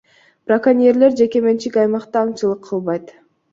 Браконьерлер жеке менчик аймакта аңчылык кылбайт.